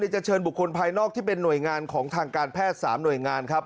จะเชิญบุคคลภายนอกที่เป็นหน่วยงานของทางการแพทย์๓หน่วยงานครับ